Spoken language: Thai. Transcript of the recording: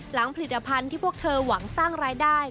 ผลิตภัณฑ์ที่พวกเธอหวังสร้างรายได้